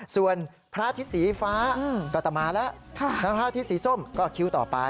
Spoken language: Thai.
ส่วนพระอาทิตย์สีฟ้าก็จะมาแล้วแล้วพระอาทิตยสีส้มก็คิ้วต่อไป